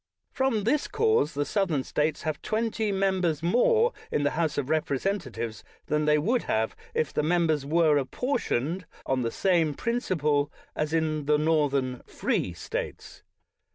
From this cause the Southern States have twenty members more in the House of Representatives than they would have if the members were apportioned on the same principle 248 BRIGHT as in the Northern free States.